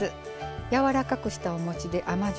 やわらかくしたおもちで甘じょ